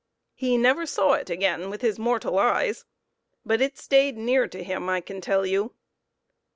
He never saw it again with his mortal eyes, but it stayed near to him, I can tell you.